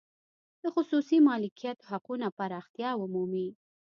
د خصوصي مالکیت حقونه پراختیا ومومي.